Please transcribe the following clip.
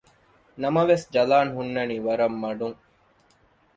ނަމަވެސް ޖަލާން ހުންނަނީ ވަރަށް މަޑުން